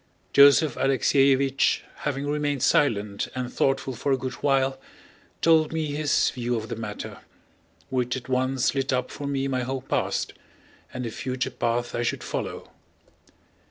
Joseph Alexéevich, having remained silent and thoughtful for a good while, told me his view of the matter, which at once lit up for me my whole past and the future path I should follow.